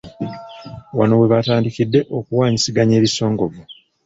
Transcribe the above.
Wano we batandikidde okuwanyisiganya ebisongovu.